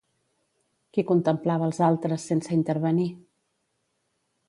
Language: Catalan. Qui contemplava els altres sense intervenir?